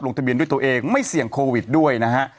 ทะเบียนด้วยตัวเองไม่เสี่ยงโควิดด้วยนะฮะ